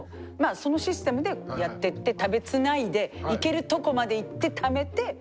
そのシステムでやってって食べつないでいけるとこまでいって貯めて。